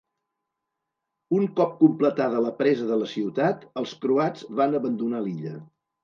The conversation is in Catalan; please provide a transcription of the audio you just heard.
Un cop completada la presa de la ciutat, els croats van abandonar l'illa.